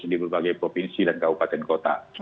di berbagai provinsi dan kabupaten kota